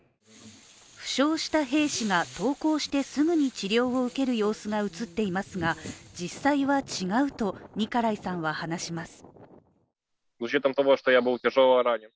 負傷した兵士が投降してすぐに治療を受ける様子が映っていますが実際は違うとニカライさんは話します。